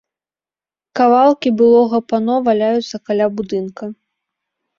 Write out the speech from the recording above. Кавалкі былога пано валяюцца каля будынка.